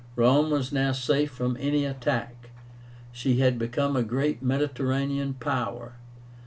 Rome was now safe from any attack. She had become a great Mediterranean power.